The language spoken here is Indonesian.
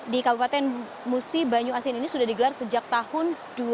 di kabupaten musi banyu asin ini sudah digelar sejak tahun dua ribu dua